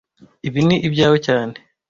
Ibi ni ibyawe cyane